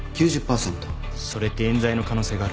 それって冤罪の可能性があるんじゃ。